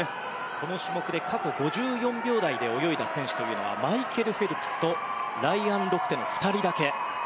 この種目で過去５４秒台で泳いだ選手はマイケル・フェルプスとライアン・ロクテの２人だけ。